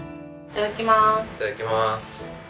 いただきます。